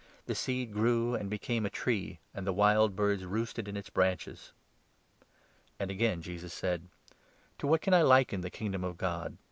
The seed grew and became a tree, and ' the wild birds roosted in its branches.' " And again Jesus said :. 20 Parable "To what can I liken the Kingdom of God?